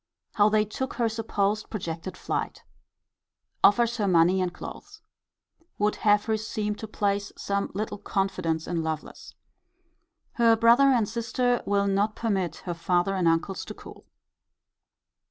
How they took her supposed projected flight. Offers her money and clothes. Would have her seem to place some little confidence in Lovelace. Her brother and sister will not permit her father and uncles to cool.